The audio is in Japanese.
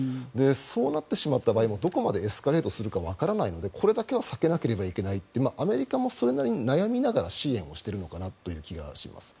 そうなってしまった場合どこまでエスカレートするかわからないのでこれだけは避けなければいけないとアメリカもそれなりに悩みながら支援をしているのかなという気がします。